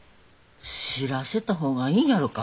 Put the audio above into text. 知らせた方がいいんやろか？